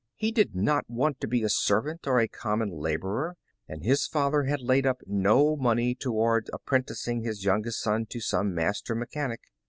He did not want to be a servant or a common laborer, and his father had laid up no money toward apprenticing his youngest son to some master mechanic.